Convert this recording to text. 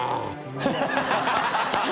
ハハハ